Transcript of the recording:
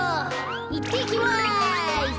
いってきます。